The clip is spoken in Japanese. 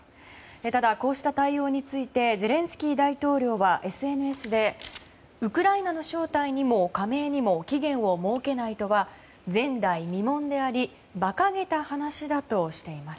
ただ、こうした対応についてゼレンスキー大統領はＳＮＳでウクライナの招待にも加盟にも期限を設けないとは前代未聞であり馬鹿げた話だとしています。